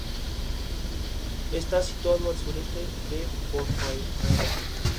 Está situado al sureste de Ponferrada.